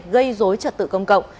gây dối trật tự công cộng